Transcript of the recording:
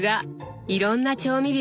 いろんな調味料が。